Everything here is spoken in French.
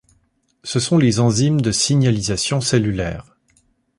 Ce sont les enzymes de signalisation cellulaire.